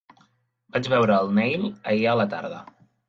Vaig veure el Neil ahir a la tarda.